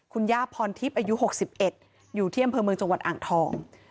คุณย่าพรทิพย์อายุ๖๑อยู่ที่อำเภอเมืองจังหวัดอ่างทอง